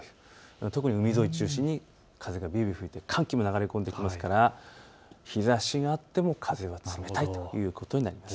特に海沿いを中心に風がびゅうびゅう吹いて寒気も流れ込んできますから日ざしがあっても風が冷たいということになります。